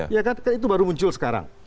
ya kan itu baru muncul sekarang